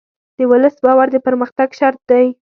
د ولس باور د پرمختګ شرط دی.